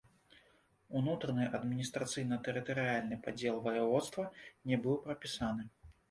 Унутраны адміністрацыйна-тэрытарыяльны падзел ваяводства не быў прапісаны.